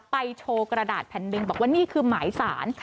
โชว์กระดาษแผ่นหนึ่งบอกว่านี่คือหมายสาร